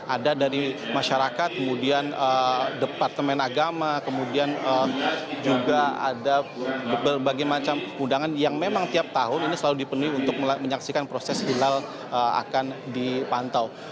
ada dari masyarakat kemudian departemen agama kemudian juga ada berbagai macam undangan yang memang tiap tahun ini selalu dipenuhi untuk menyaksikan proses hilal akan dipantau